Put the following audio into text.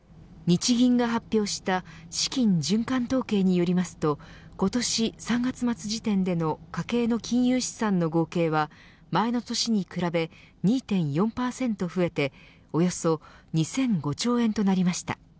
日銀が発表した資金循環統計によりますと今年３月末時点での家計の金融資産の合計は前の年に比べ２．４％増えておよそ２００５兆円となりました。